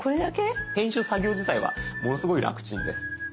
編集作業自体はものすごい楽ちんです。